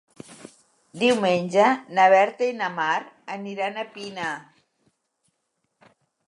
Diumenge na Berta i na Mar aniran a Pina.